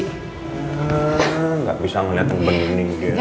enggak bisa melihat dengan benih benih gitu ya